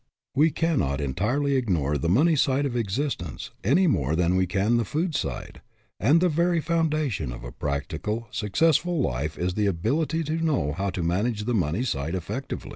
We cannot entirely ignore the money side of existence any more than we can the food side, and the very foundation of a practical, successful life is the ability to know how to manage the money side effectively.